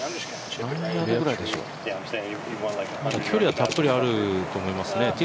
距離はたっぷりあると思いますね。